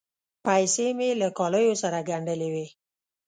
پیسې مې له کالیو سره ګنډلې وې.